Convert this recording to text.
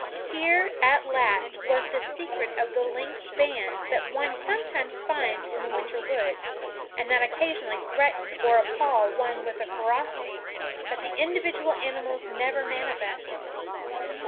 Here, at last, was the secret of the lynx bands that one sometimes finds in the winter woods, and that occasionally threaten or appall one with a ferocity that the individual animals never manifest.